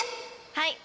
はい。